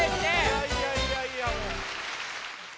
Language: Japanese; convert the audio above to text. いやいやいやいやもう。